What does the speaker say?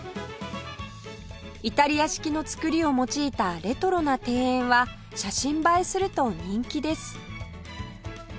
イタリア式の造りを用いたレトロな庭園は写真映えすると人気です